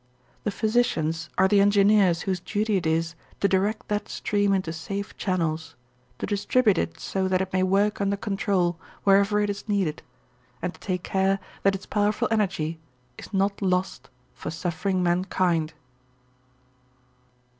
The physicians are the engineers whose duty it is to direct that stream into safe channels, to distribute it so that it may work under control wherever it is needed, and to take care that its powerful energy is not lost for suffering mankind.